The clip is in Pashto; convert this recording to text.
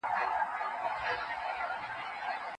ټولې لوبې د ملت د وحدت لپاره ارزښت لري.